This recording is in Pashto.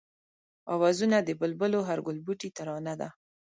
آوازونه د بلبلو هر گلبوټی ترانه ده